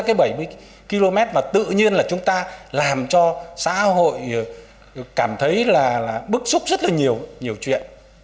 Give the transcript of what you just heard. cái bảy mươi km mà tự nhiên là chúng ta làm cho xã hội cảm thấy là bức xúc rất là nhiều nhiều chuyện